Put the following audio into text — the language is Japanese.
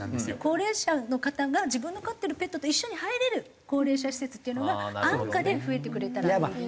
高齢者の方が自分の飼ってるペットと一緒に入れる高齢者施設っていうのが安価で増えてくれたらいいですよね。